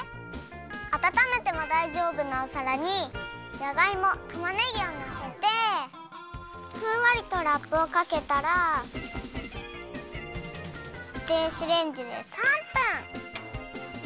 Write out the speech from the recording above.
あたためてもだいじょうぶなおさらにじゃがいもたまねぎをのせてふんわりとラップをかけたら電子レンジで３分。